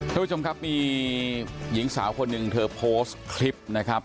ทุกผู้ชมครับมีหญิงสาวคนหนึ่งเธอโพสต์คลิปนะครับ